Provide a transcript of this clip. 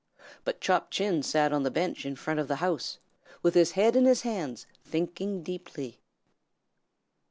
But Chop Chin sat on the bench in front of the house, with his head in his hands thinking deeply.